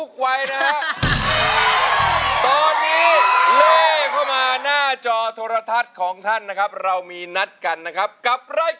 สวัสดีคุณผู้ชมที่อยู่ทางบ้านนะคะ